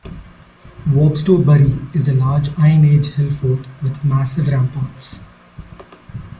Warbstow Bury is a large Iron Age hillfort with massive ramparts.